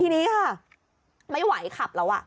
ทีนี้ค่ะไม่ไหวขับแล้ว